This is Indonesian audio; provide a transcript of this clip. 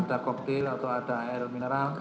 ada koktil atau ada air mineral